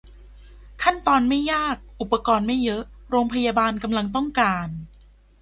"ขั้นตอนไม่ยาก - อุปกรณ์ไม่เยอะ" โรงพยาบาลกำลังต้องการ